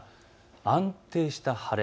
安定した晴れ。